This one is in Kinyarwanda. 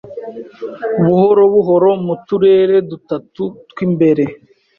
Buhoro buhoro mu turere dutatu twimbere